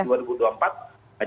yang setiap urus urus p tiga bertarung